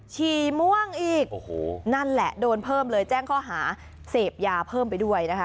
ฉี่ม่วงอีกโอ้โหนั่นแหละโดนเพิ่มเลยแจ้งข้อหาเสพยาเพิ่มไปด้วยนะคะ